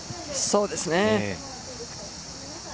そうですね。